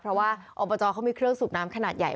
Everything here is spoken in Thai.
เพราะว่าอบจเขามีเครื่องสูบน้ำขนาดใหญ่